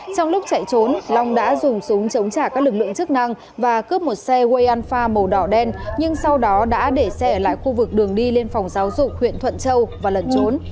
trong lúc chạy trốn long đã dùng súng chống trả các lực lượng chức năng và cướp một xe wayanfa màu đỏ đen nhưng sau đó đã để xe ở lại khu vực đường đi lên phòng giáo dục huyện thuận châu và lẩn trốn